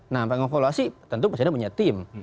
nah mengevaluasi tentu presiden punya tim